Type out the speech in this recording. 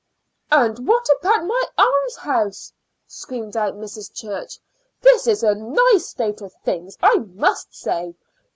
"And what about my almshouse?" screamed out Mrs. Church. "This is a nice state of things, I must say.